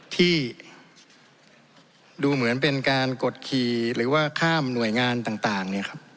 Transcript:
ที่ดูเหมือนเป็นการกดขี่หรือว่าข้ามหน่วยงานต่าง